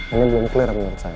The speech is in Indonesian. ini belum clear menurut saya